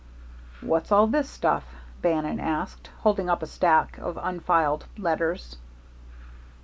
"What's all this stuff?" Bannon asked, holding up a stack of unfiled letters.